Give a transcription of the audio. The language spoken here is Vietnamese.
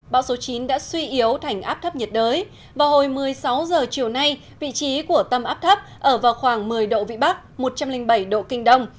bão số chín đã suy yếu thành áp thấp nhiệt đới vào hồi một mươi sáu h chiều nay vị trí của tâm áp thấp ở vào khoảng một mươi độ vĩ bắc một trăm linh bảy độ kinh đông